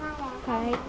はい。